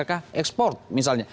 katakanlah ekspor misalnya